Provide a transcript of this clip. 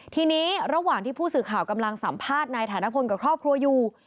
ทีนี้ระหว่างที่ผู้สื่อข่าวกำลังสัมภาษณ์นายฐานพลกับครอบครัวอยู่